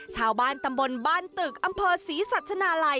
ชาวบ้านตำบลบ้านตึกอำเภอศรีสัชนาลัย